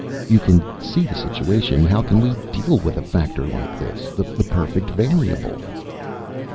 "You can see the situation. How can we deal with a factor like this? The perfect variable."